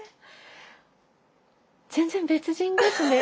全然別人ですね。